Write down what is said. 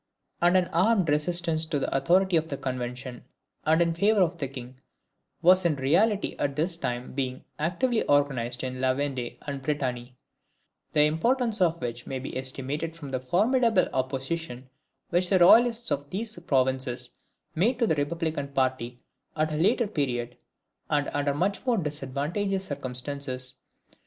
And an armed resistance to the authority of the Convention, and in favour of the king, was in reality at this time being actively organized in La Vendee and Brittany, the importance of which may be estimated from the formidable opposition which the Royalists of these provinces made to the Republican party, at a later period, and under much more disadvantageous circumstances.